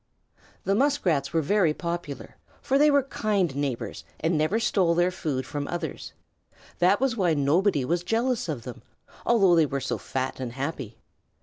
The Muskrats were very popular, for they were kind neighbors and never stole their food from others. That was why nobody was jealous of them, although they were so fat and happy.